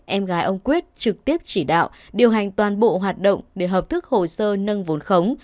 em gái ông quyết trực tiếp chỉ đạo điều hành toàn bộ hoạt động để hợp thức hồ sơ nâng vốn khống